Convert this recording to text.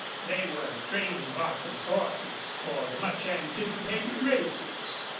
They were training Bostil's horses for the much anticipated races.